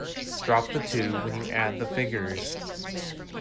Drop the two when you add the figures.